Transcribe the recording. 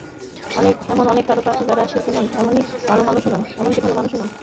এমন অনেক তারকা আছেন, যাঁরা শিল্পী নন, এমনকি ভালো মানুষও নন।